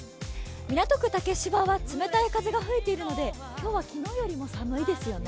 港区竹芝は冷たい風が吹いているので今日は昨日よりも寒いですよね。